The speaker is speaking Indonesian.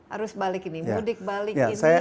harus balik ini budik balik ini